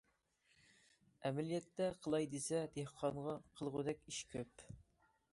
ئەمەلىيەتتە، قىلاي دېسە دېھقانغا قىلغۇدەك ئىش كۆپ.